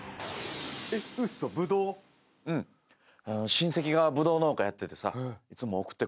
親戚がブドウ農家やっててさいつも送ってくれんのよ。